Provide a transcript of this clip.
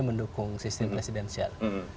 mendukung sistem presidensial